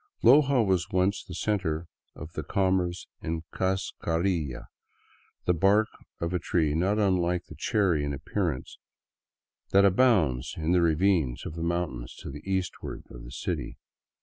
Loja was once the cer/ter of the commerce in cascarilla, the bark of a tree not unlike the cherry in appearance, that abounds in the ravines of the mountains to the eastward of the city.